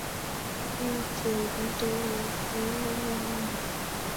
Meutye iipun tuguk kuk ye inyone nyeimenye yu